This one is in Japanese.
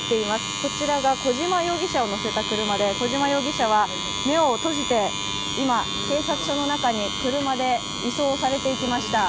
こちらが小島容疑者を乗せた車で、小島容疑者は目を閉じて今、警察署の中へ車で移送されていきました。